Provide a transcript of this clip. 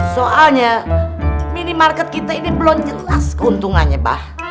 soalnya minimarket kita ini belum jelas keuntungannya pak